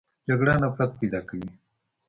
جګړه نفرت پیدا کوي